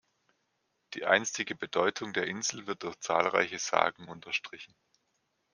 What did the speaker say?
Die einstige Bedeutung der Insel wird durch zahlreiche Sagen unterstrichen.